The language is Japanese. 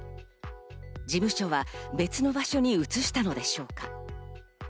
事務所は別の場所に移したのでしょうか？